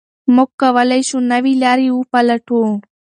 موږ کولای شو نوي لارې وپلټو.